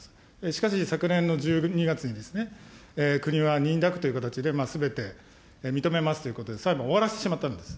しかし、昨年の１２月に、国は認諾という形で、すべて認めますということで、裁判終わらせてしまったんです。